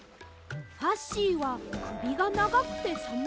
ファッシーはくびがながくてさむそうです。